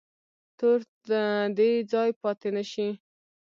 تور ته دې ځای پاتې نه شي.